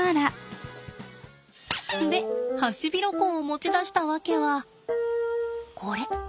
でハシビロコウを持ち出した訳はこれ。